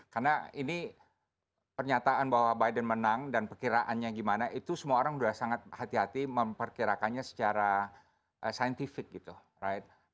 karena ini pernyataan bahwa biden menang dan perkiraannya gimana itu semua orang sudah sangat hati hati memperkirakannya secara scientific gitu right